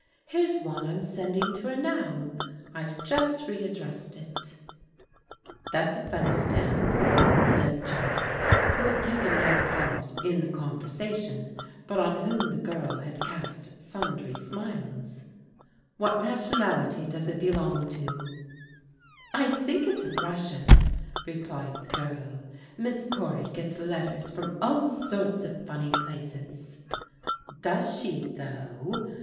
"Here's one I'm sending to her now. I've jtist re addressed it." " That's a funny stamp," said John, who had taken no part in the conversation, but on ^N^iotsv. tke ^rl had THE SEARCH FOB THE RUNAWAYS 145 cast stmdry smiles, "What nationality does it belong to?" " I think it's Russian/' replied the girl. " Miss Cory gets letters from all sorts of funny places." " Does she, though